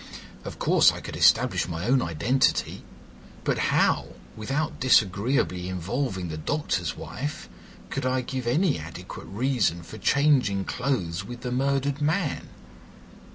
Of course I could establish my own identity; but how, without disagreeably involving the doctor's wife, could I give any adequate reason for changing clothes with the murdered man?